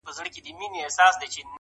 تر کور دباندي له اغیاره سره لوبي کوي-